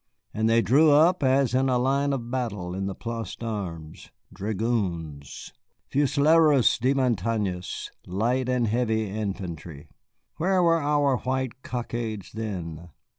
And they drew up as in line of battle in the Place d'Armes, dragoons, fusileros de montañas, light and heavy infantry. Where were our white cockades then?